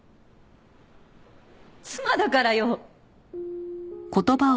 妻だからよ。